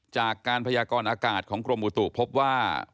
จากการพยากรอากาศของกรมอุตุพบว่า